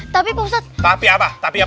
sopri gak peduli